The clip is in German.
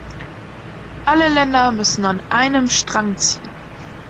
Alle Länder müssen an einem Strang ziehen.